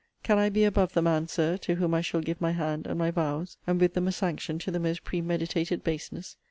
Can I be above the man, Sir, to whom I shall give my hand and my vows, and with them a sanction to the most premeditated baseness?